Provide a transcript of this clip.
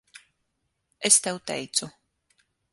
Es tev teicu.